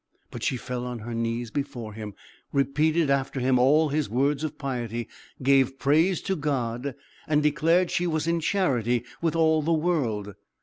But she fell on her knees before him, repeated after him all his words of piety, gave praise to God, and declared she was in charity with all the world.